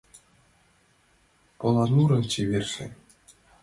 Поланурын чеверже